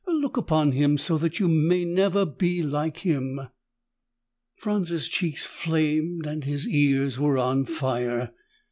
Look upon him, so that you may never be like him!" Franz's cheeks flamed and his ears were on fire.